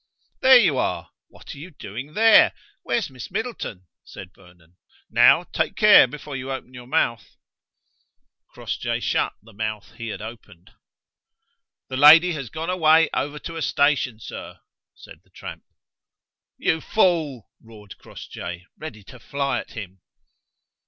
"There you are; what are you doing there? Where's Miss Middleton?" said Vernon. "Now, take care before you open your mouth." Crossjay shut the mouth he had opened. "The lady has gone away over to a station, sir," said the tramp. "You fool!" roared Crossjay, ready to fly at him.